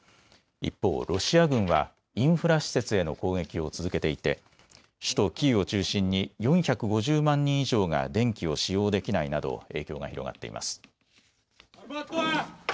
一方、ロシア軍はインフラ施設への攻撃を続けていて首都キーウを中心に４５０万人以上が電気を使用できないなど影響が広がっています。